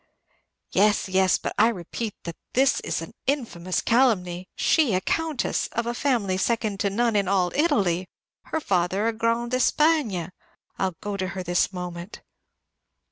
"Yes, yes; but I repeat that this is an infamous calumny. She, a Countess, of a family second to none in all Italy; her father a Grand d'Espagne. I 'll go to her this moment."